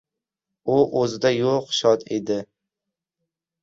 U oʻzida yoʻq shod edi.